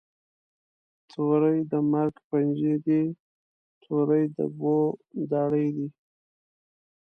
توری د مرګ پنجی دي، توری د بو داړي دي